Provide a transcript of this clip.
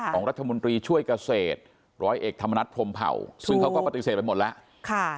ของรัฐมนตรีช่วยเกษตรร้อยเอกธรรมนัฐพรมเผ่าซึ่งเขาก็ปฏิเสธไปหมดแล้ว